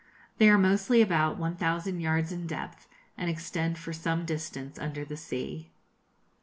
They are mostly about 1,000 yards in depth, and extend for some distance under the sea.